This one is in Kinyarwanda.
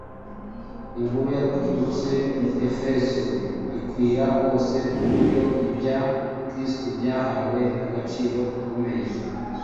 Inkuru yaturutse mu Efeso ikwira hose ku buryo ibya Kristo byahawe agaciro gakomeye.